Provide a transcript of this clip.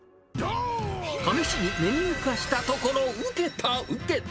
試しにメニュー化したところ、受けた、受けた。